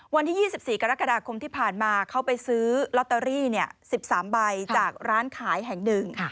วันที่๒๔กรกฎาคมที่ผ่านมาเขาไปซื้อลอตเตอรี่๑๓ใบจากร้านขายแห่งหนึ่ง